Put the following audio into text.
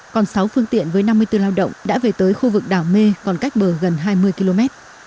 còn sáu phương tiện với năm mươi bốn lao động đã về tới khu vực đảo mê còn cách bờ gần hai mươi km